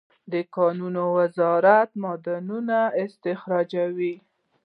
د کانونو وزارت معدنونه استخراجوي